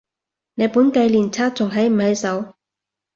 你本紀念冊仲喺唔喺手？